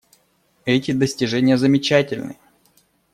Эти достижения замечательны.